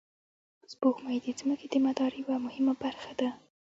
سپوږمۍ د ځمکې د مدار یوه مهمه برخه ده